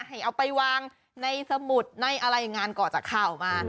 ให้เอาไปวางในสมุดในอะไรงานก่อนจะเข้ามา